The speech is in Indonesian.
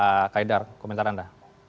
pak kaidar komentar anda